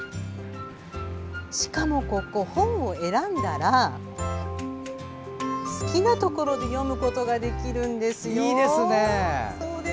しかもここ、本を選んだら好きなところで読むことができるんですよ。